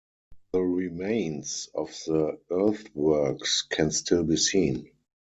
The remains of the earthworks can still be seen.